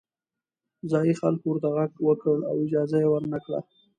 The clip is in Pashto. ځايي خلکو ورته غږ وکړ او اجازه یې ورنه کړه.